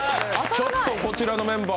ちょっとこちらのメンバー